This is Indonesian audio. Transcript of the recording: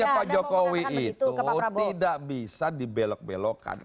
ya pak jokowi itu tidak bisa dibelok belokkan